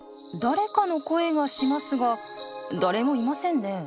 誰かの声がしますが誰もいませんね。